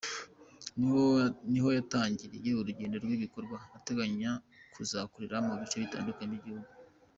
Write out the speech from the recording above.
Niho yatangiriye urugendo rw’ibikorwa ateganya kuzakorera mu bice bitandukanye by’igihugu.